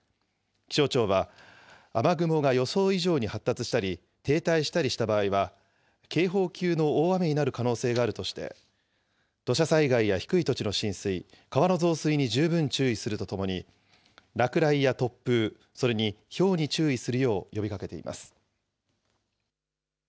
気象庁は、雨雲が予想以上に発達したり、停滞したりした場合は、警報級の大雨になる可能性があるとして、土砂災害や低い土地の浸水、川の増水に十分注意するとともに、落雷や突風、それにひょうに注意するよう呼びかけています。